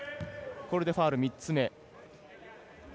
これでファウル３つ目。